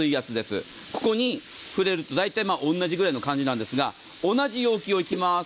ここに触れると大体同じぐらいの感じですが同じ容器、行きます。